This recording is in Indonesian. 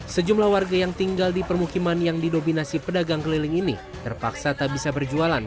sejumlah warga yang tinggal di permukiman yang didominasi pedagang keliling ini terpaksa tak bisa berjualan